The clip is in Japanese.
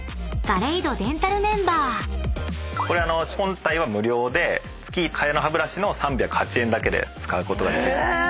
これ本体は無料で月替えの歯ブラシの３０８円だけで使うことができる。